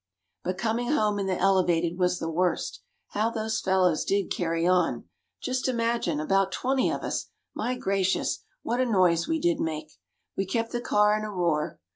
"But coming home in the Elevated was the worst. How those fellows did carry on! Just imagine about twenty of us my gracious! what a noise we did make! We kept the car in a roar.